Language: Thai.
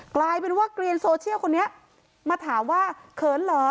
กลายเป็นว่าเกลียนโซเชียลคนนี้มาถามว่าเขินเหรอ